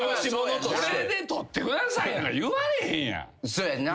「これで撮ってください」なんか言われへんやん。